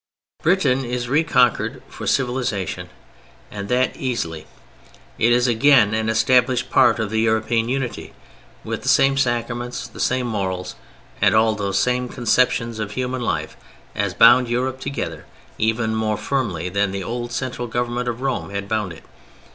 Britain is reconquered for civilization and that easily; it is again an established part of the European unity, with the same sacraments, the same morals, and all those same conceptions of human life as bound Europe together even more firmly than the old central government of Rome had bound it.